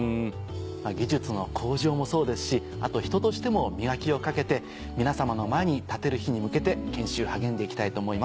技術の向上もそうですし人としても磨きをかけて皆様の前に立てる日に向けて研修励んで行きたいと思います。